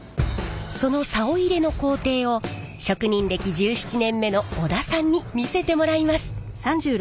その棹入れの工程を職人歴１７年目の織田さんに見せてもらいます。